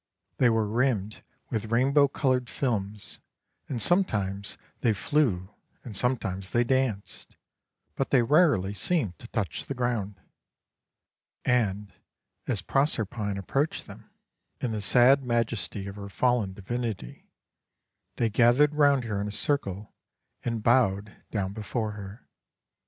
They were rimmed with rainbow coloured films, and sometimes they flew and sometimes they danced, but they rarely seemed to touch the ground. And as Proserpine approached them, in the sad majesty of her fallen divinity, they gathered round her in a circle and bowed down before her.